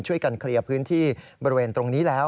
ช่วยกันเคลียร์พื้นที่บริเวณตรงนี้แล้ว